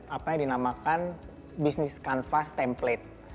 apa yang dinamakan bisnis kanvas template